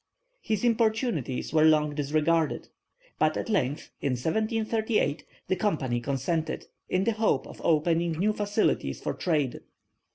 His importunities were long disregarded, but at length, in 1738, the Company consented, in the hope of opening new facilities for trade.